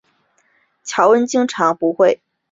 乔恩经常和不同的女性约会。